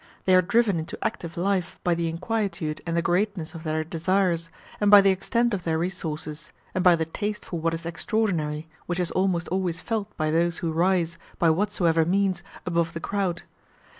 They are driven into active life by the inquietude and the greatness of their desires, by the extent of their resources, and by the taste for what is extraordinary, which is almost always felt by those who rise, by whatsoever means, above the crowd.